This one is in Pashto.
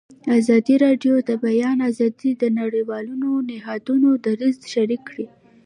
ازادي راډیو د د بیان آزادي د نړیوالو نهادونو دریځ شریک کړی.